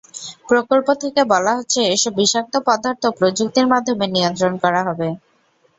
প্রকল্প থেকে বলা হচ্ছে, এসব বিষাক্ত পদার্থ প্রযুক্তির মাধ্যমে নিয়ন্ত্রণ করা হবে।